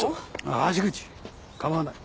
橋口構わない。